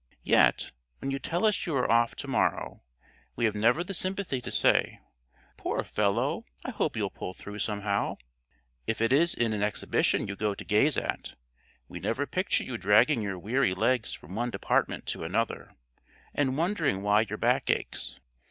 Yet, when you tell us you are off to morrow, we have never the sympathy to say, "Poor fellow, I hope you'll pull through somehow." If it is an exhibition you go to gaze at, we never picture you dragging your weary legs from one department to another, and wondering why your back aches.